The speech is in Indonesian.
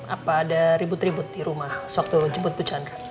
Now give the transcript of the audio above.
apa ada ribut ribut di rumah sewaktu jemput bu chandra